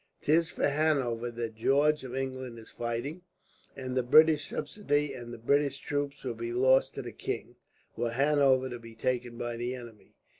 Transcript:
'Tis for Hanover that George of England is fighting, and the British subsidy and the British troops will be lost to the king, were Hanover to be taken by the enemy.